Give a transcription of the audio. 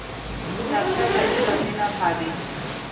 کتابچه د علم مینه پالي